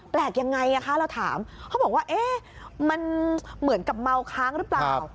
แปลกยังไงคะเราถามเขาบอกว่าเอ๊ะมันเหมือนกับเมาค้างหรือเปล่า